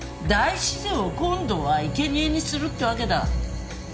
大自然を今度はいけにえにするってわけだ。